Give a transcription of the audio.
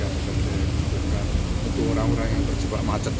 untuk orang orang yang terjebak macet